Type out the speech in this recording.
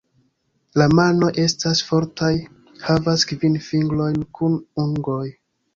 La manoj estas fortaj, havas kvin fingrojn kun ungoj.